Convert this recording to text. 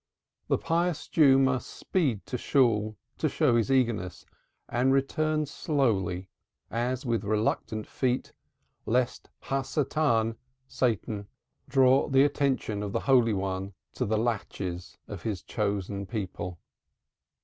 The pious Jew must speed to Shool to show his eagerness and return slowly, as with reluctant feet, lest Satan draw the attention of the Holy One to the laches of His chosen people.